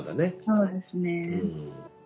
そうですね。